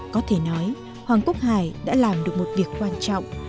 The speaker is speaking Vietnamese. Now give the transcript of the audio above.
có thể nói hoàng quốc hải đã làm được một việc quan trọng